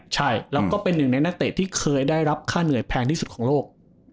ใช่แล้วก็เป็นหนึ่งในนักเตะที่เคยได้รับค่าเหนื่อยแพงที่สุดของโลก